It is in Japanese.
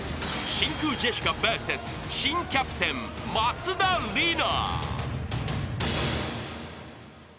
［真空ジェシカＶＳ新キャプテン松田里奈］